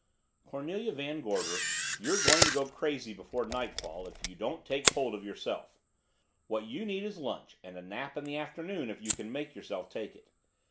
"Cornelia Van Gorder, you're going to go crazy before nightfall if you don't take hold of yourself. What you need is lunch and a nap in the afternoon if you can make yourself take it.